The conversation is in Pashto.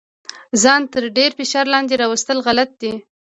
ځان تر ډیر فشار لاندې راوستل غلط دي.